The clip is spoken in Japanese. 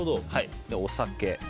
お酒。